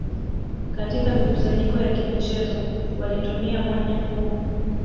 Katika mikusanyiko ya kimichezo walitumia mwanya huo